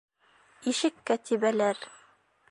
Ишеккә тибәләр.